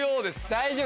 大丈夫！